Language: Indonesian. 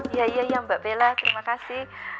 iya iya mbak bella terima kasih